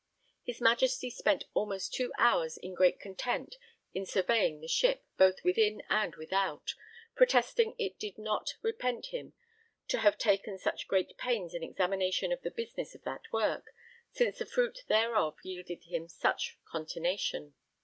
His Majesty spent almost two hours in great content in surveying the ship, both within and without, protesting it did not repent him to have taken such great pains in examination of the business of that work, since the fruit thereof yielded him such contentation.